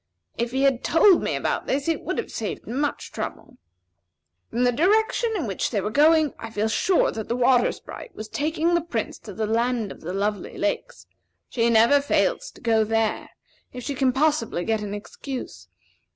If he had told me about this, it would have saved much trouble. From the direction in which they were going, I feel sure that the Water Sprite was taking the Prince to the Land of the Lovely Lakes. She never fails to go there, if she can possibly get an excuse.